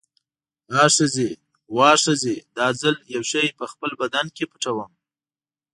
آ ښځې، واه ښځې، دا ځل یو شی په خپل بدن کې پټوم.